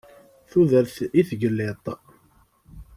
Tudert i tgellidt!